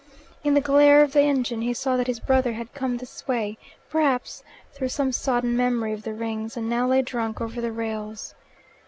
In the glare of the engine he saw that his brother had come this way, perhaps through some sodden memory of the Rings, and now lay drunk over the rails.